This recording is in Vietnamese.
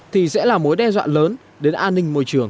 thì sẽ là mối đe dọa lớn đến an ninh môi trường